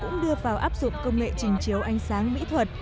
đường hoa cũng đưa vào áp dụng công nghệ trình chiếu ánh sáng mỹ thuật